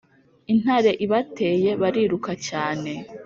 intare ibateye, bariruka cyane